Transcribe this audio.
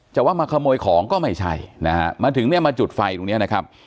แต่ว่ามาขโมยของก็ไม่ใช่ถึงมาจุดไฟตรงนี้นะครับ